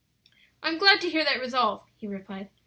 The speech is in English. "I am glad to hear that resolve," he replied.